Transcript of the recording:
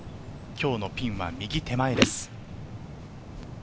今日のピンは右手前です。